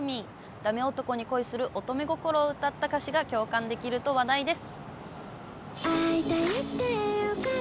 ダメ男に恋する乙女心を歌った歌詞が共感できると話題です。